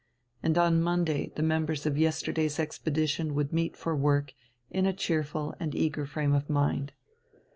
And on Monday the members of yesterday's expedition would meet for work in a cheerful and eager frame of mind.